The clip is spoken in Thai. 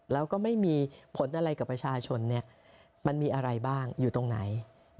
แล้วก็ไม่มีผลอะไรกับประชาชนมันมีอะไรบ้างอยู่ตรงไหน